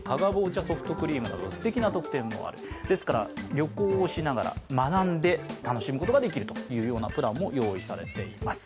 旅行をしながら学んで楽しむことができるというプランも用意されています。